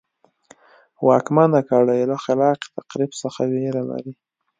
واکمنه کړۍ له خلاق تخریب څخه وېره لري.